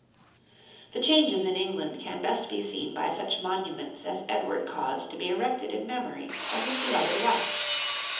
}] The changes in England can best be seen by such monuments as Edward caused to be erected in memory of his beloved wife.